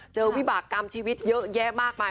วิบากรรมชีวิตเยอะแยะมากมาย